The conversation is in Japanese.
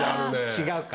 違うか。